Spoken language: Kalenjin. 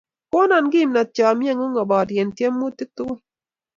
Konon kimnot chomyeng'ung' aborye tyemutik tukul